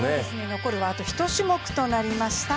残るはあと１種目となりました。